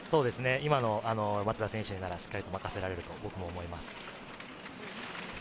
今の松田選手ならしっかり任せられると思います。